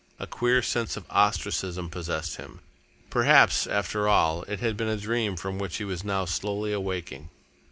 A queer sense of ostracism possessed him. Perhaps, after all, it had been a dream from which he was now slowly awaking.